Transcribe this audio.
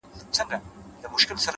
• په بې صبری معشوقې چا میندلي دینه,